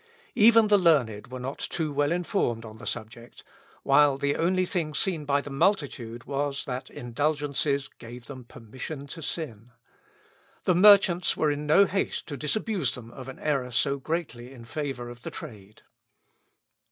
Even the learned were not too well informed on the subject, while the only thing seen by the multitude was, that indulgences gave them permission to sin. The merchants were in no haste to disabuse them of an error so greatly in favour of the trade.